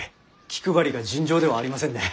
気配りが尋常ではありませんね。